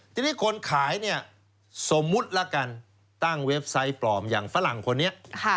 ทีนี้คนขายเนี่ยสมมุติละกันตั้งเว็บไซต์ปลอมอย่างฝรั่งคนนี้